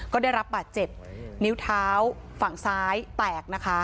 ก็ได้รับบาดเจ็บนิ้วเท้าฝั่งซ้ายแตกนะคะ